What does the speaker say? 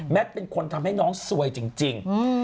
แมทก็เป็นคนทำให้น้องสวยจริง